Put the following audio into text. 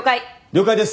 了解です！